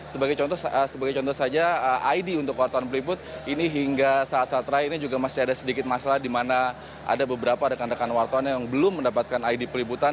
sebagai contoh sebagai contoh saja id untuk wartawan peliput ini hingga saat saat terakhir ini juga masih ada sedikit masalah di mana ada beberapa rekan rekan wartawan yang belum mendapatkan id peliputan